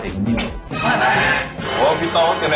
โอ้โหพี่ต้องกำลังให้เล่านี่ดูเบลอเลย